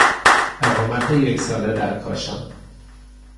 اقامت یک ساله در کاشان